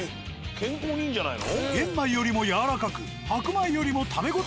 健康にいいんじゃないの？